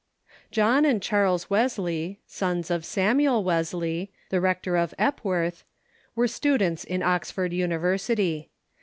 John and Charles Wesley, sons of Samuel Wesley, the rector of Epworth, Avere students in Oxford University.